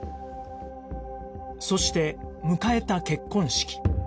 そして迎えた結婚式